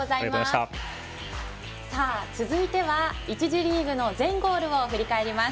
続いては１次リーグの全ゴールを振り返ります。